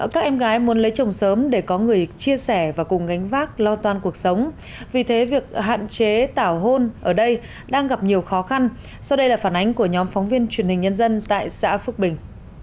các em gái muốn lấy chồng sớm để có người chia sẻ và cùng gánh vác lo toan cuộc sống vì thế việc hạn chế tảo hôn ở đây đang gặp nhiều khó khăn sau đây là phản ánh của nhóm phóng viên truyền hình nhân dân tại xã phước bình